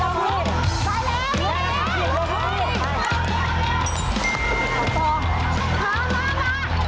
หือหือลูกนี้